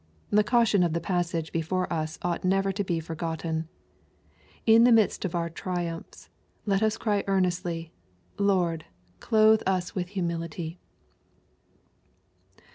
The caution of the passage before us ought never to be for gotten. In the midst of our triumphs, let us cry earn estly, " Lord, clothe us with humility."